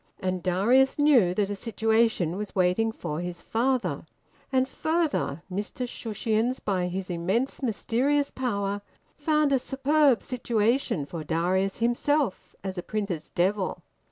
And Darius knew that a situation was waiting for his father. And further, Mr Shushions, by his immense mysterious power, found a superb situation for Darius himself as a printer's devil.